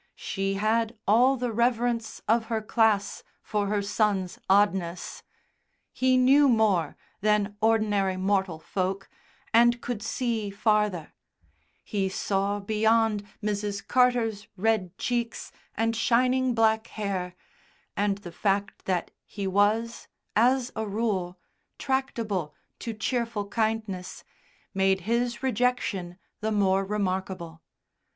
She had all the reverence of her class for her son's "oddness." He knew more than ordinary mortal folk, and could see farther; he saw beyond Mrs. Carter's red cheeks and shining black hair, and the fact that he was, as a rule, tractable to cheerful kindness, made his rejection the more remarkable.